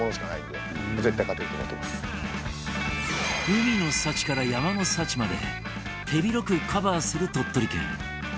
海の幸から山の幸まで手広くカバーする鳥取県